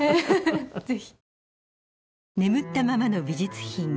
ぜひ。